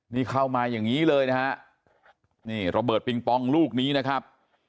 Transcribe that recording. นี่เข้ามาอย่างนี้เลยนะฮะนี่ระเบิดปิงปองลูกนี้นะครับ